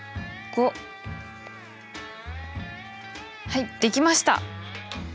はいできました！